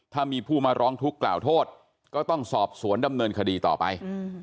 ถ้ามีผู้มาร้องทุกข์กล่าวโทษก็ต้องสอบสวนดำเนินคดีต่อไป